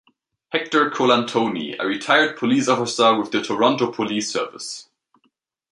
Hector Colantoni, is a retired police officer with the Toronto Police Service.